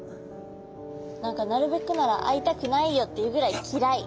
何かなるべくなら会いたくないよっていうぐらいきらい。